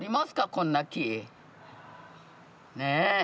こんな木。ね。